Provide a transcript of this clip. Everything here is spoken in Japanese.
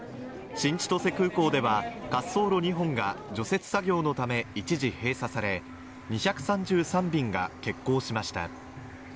新千歳空港では滑走路２本が除雪作業のため一時閉鎖され、２３３便が欠航しました。